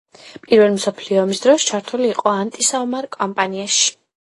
პირველი მსოფლიო ომის დროს ჩართული იყო ანტისაომარ კამპანიაში.